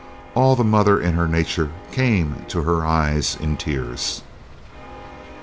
All the mother in her nature came to her eyes in tears.